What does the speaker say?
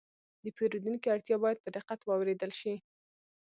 د پیرودونکي اړتیا باید په دقت واورېدل شي.